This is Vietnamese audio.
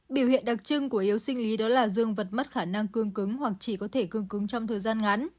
biểu hiện đặc trưng của yếu sinh lý đó là dương vật mất khả năng cương cứng hoặc chỉ có thể cương cứng trong thời gian ngắn